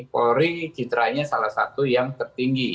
polri citranya salah satu yang tertinggi